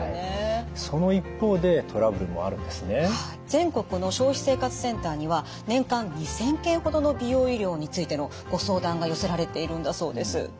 全国の消費生活センターには年間２，０００件ほどの美容医療についてのご相談が寄せられているんだそうです。